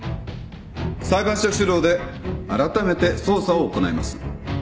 裁判所主導であらためて捜査を行います。